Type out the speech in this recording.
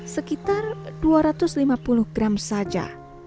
sekitar dua ratus lima puluh gram saja